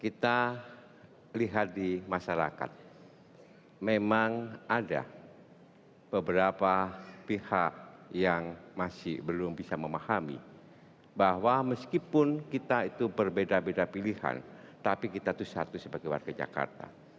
kita lihat di masyarakat memang ada beberapa pihak yang masih belum bisa memahami bahwa meskipun kita itu berbeda beda pilihan tapi kita itu satu sebagai warga jakarta